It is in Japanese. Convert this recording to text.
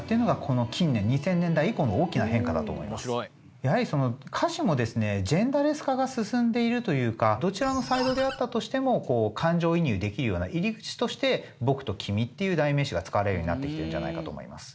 やはり歌詞もですねジェンダーレス化が進んでいるというかどちらのサイドであったとしても感情移入できるような入り口として「僕」と「君」っていう代名詞が使われるようになってきてるんじゃないかと思います。